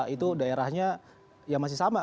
itu daerahnya ya masih sama